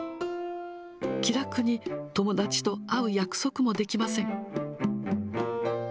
気楽に友達と会う約束もできません。